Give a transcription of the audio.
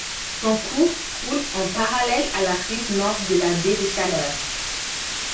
Son cours coule en parallèle à la rive Nord de la Baie-des-Chaleurs.